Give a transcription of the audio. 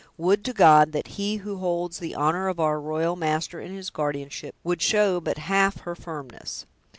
Would to God, that he who holds the honor of our royal master in his guardianship, would show but half her firmness!